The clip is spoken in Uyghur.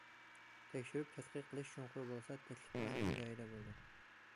تەكشۈرۈپ تەتقىق قىلىش چوڭقۇر بولسا، تەكلىپ ئاندىن جايىدا بولىدۇ.